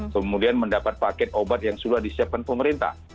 kemudian mendapat paket obat yang sudah disiapkan pemerintah